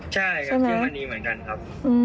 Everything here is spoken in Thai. ใช่เอาเหมือนนี้เหมือนกันครับ